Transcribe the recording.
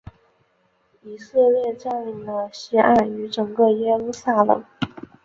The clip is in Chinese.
以色列占领了西岸与整个耶路撒冷。